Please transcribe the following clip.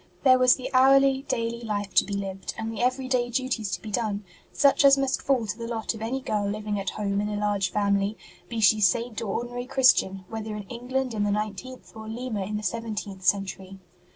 There was the hourly, daily life to be lived, and the everyday duties to be done, such as must fall to the lot of any girl living at home in a large family be she Saint or ordinary Christian whether in England in the nineteenth or Lima in the seventeenth century.